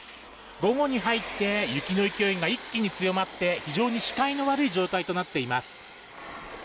午後に入って雪の勢いが一気に強まって非常に視界の悪い状態となっています。